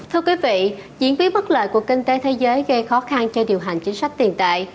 thưa quý vị diễn biến bất lợi của kinh tế thế giới gây khó khăn cho điều hành chính sách tiền tệ